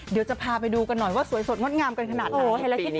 เดี๋ยวจะพาไปดูกันหน่อยว่าสวยสดงดงามกันขนาดไหน